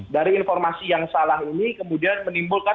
dari informasi yang salah ini kemudian menimbulkan